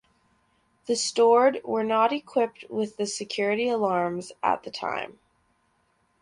The stored were not equipped with the security alarms at the time.